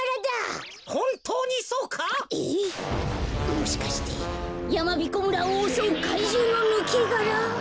もしかしてやまびこ村をおそうかいじゅうのぬけがら？